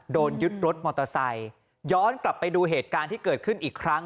โดนยึดรถมอเตอร์ไซค์ย้อนกลับไปดูเหตุการณ์ที่เกิดขึ้นอีกครั้ง